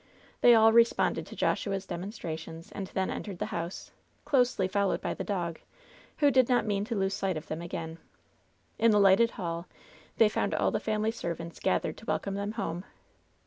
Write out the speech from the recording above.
They all responded to Joshua's demonstrations, and then entered the house, closely followed by the dog, who did not mean to lose sight of them again. In the lighted hall they found all the family servants gathered to welcome them home.